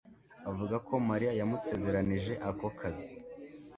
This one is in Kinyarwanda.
avuga ko Mariya yamusezeranije ako kazi.